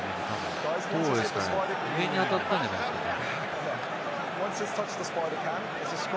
上に当たったんじゃないですかね？